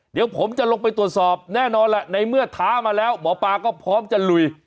เดี๋ยวผมจะลงไปตรวจสอบแน่นอนแหละในเมื่อท้ามาแล้วหมอปลาก็พร้อมจะลุย